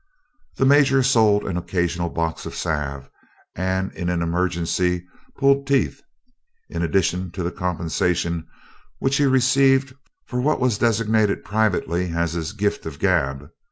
The Major sold an occasional box of salve, and in an emergency pulled teeth, in addition to the compensation which he received for what was designated privately as his "gift of gab."